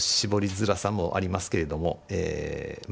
づらさもありますけれどもえま